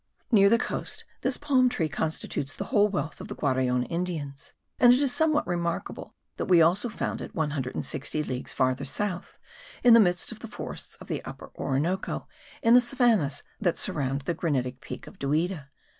Near the coast this palm tree constitutes the whole wealth of the Guaraon Indians; and it is somewhat remarkable that we also found it one hundred and sixty leagues farther south, in the midst of the forests of the Upper Orinoco, in the savannahs that surround the granitic peak of Duida.